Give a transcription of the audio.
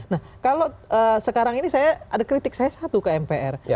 nah kalau sekarang ini saya ada kritik saya satu ke mpr